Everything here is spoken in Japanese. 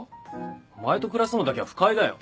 お前と暮らすのだけは不快だよ！